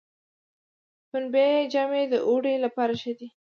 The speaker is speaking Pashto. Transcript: پنبې جامې د اوړي لپاره ښې دي